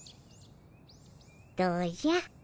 どうじゃ？